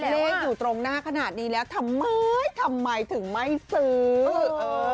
เลขอยู่ตรงหน้าขนาดนี้แล้วทำไมทำไมถึงไม่ซื้อเออ